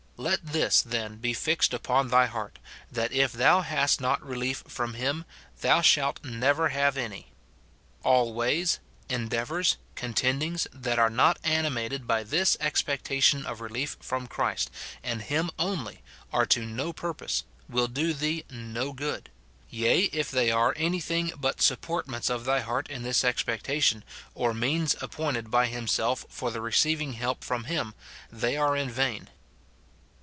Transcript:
Let this, then, be fixed upon thy heart, that if thou hast not relief from him, thou shalt never have any. All ways, endeavours, contendings, that are not animated by this expectation of relief from Christ and him only are to no purpose, will do thee no good ; yea, if they are any thing but supportments of thy heart in this expectation, or means appointed by himself for the receiving help from him, they are in vain.